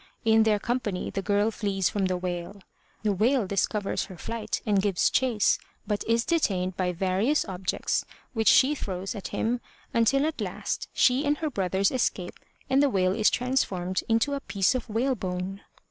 In their company the girl flees from the whale. The whale discovers her flight and gives chase but is detained by various objects which she throws at him, until at last she and her brothers escape and the whale is transformed into a piece of whale bone.